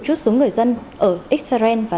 trút xuống người dân ở israel và